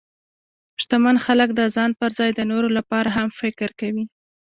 شتمن خلک د ځان پر ځای د نورو لپاره هم فکر کوي.